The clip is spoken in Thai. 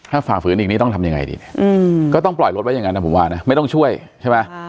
ถ้าฝ่าฝืนอีกนี่ต้องทำยังไงดีก็ต้องปล่อยรถไว้อย่างนั้นนะผมว่านะไม่ต้องช่วยใช่ไหม